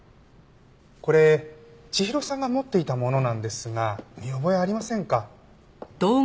これ千尋さんが持っていたものなんですが見覚えありませんか？